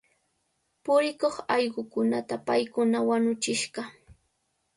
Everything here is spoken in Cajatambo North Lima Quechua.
Purikuq allqukunata paykuna wañuchishqa.